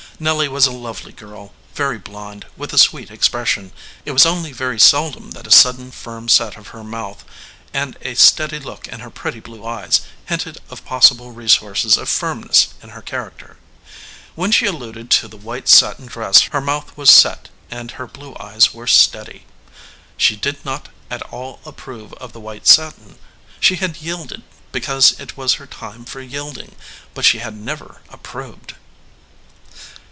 Nelly was a lovely girl, very blonde, with a sweet expression. It was only very seldom that a sudden firm set of her mouth, and a steady look in her pretty blue eyes, hinted of possible resources of firmness in her character. When she alluded to the white satin dress her mouth was set and her blue eyes were steady. She did not at all approve of the white satin. She had yielded because it was her time for yielding, but she had never approved.